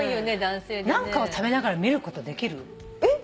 何かを食べながら見ることできる？えっ？